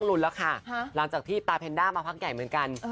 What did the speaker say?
รุนแล้วค่ะหลังจากที่ตาแพนด้ามาพักใหญ่เหมือนกัน